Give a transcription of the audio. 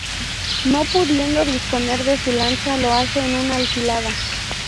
No pudiendo disponer de su lancha, lo hace en una alquilada.